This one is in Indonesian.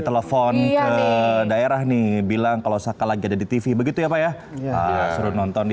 telepon ke daerah nih bilang kalau saka lagi ada di tv begitu ya pak ya suruh nonton di